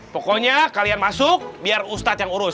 pokoknya kalian masuk biar ustadz yang urus